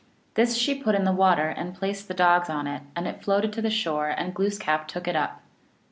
This she put in the water, and placed the dogs on it, and it floated to the shore, and Gloos kap took it up.